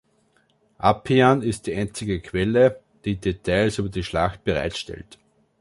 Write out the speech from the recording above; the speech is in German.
Appian ist die einzige Quelle, die Details über die Schlacht bereitstellt.